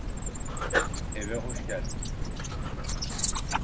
Eve hoş geldin.